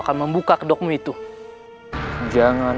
kami ketahui ibunya